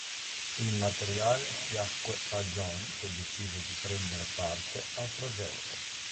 Il materiale piacque a Jon, che decise di prendere parte al progetto.